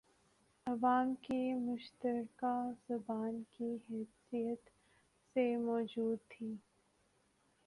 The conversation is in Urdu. عوام کی مشترکہ زبان کی حیثیت سے موجود تھی